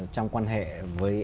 trong quan hệ với